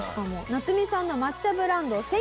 ナツミさんの抹茶ブランド千